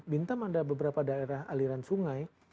bintam ada beberapa daerah aliran sungai